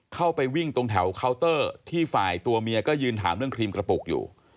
เข้าไปวิ่งตรงแถวเคาน์เตอร์ที่ฝ่ายตัวเมียก็ยืนถามเรื่องครีมกระปุกอยู่